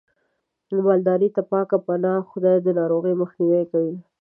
مالدارۍ ته پاک پناه ځای د ناروغیو مخنیوی کوي.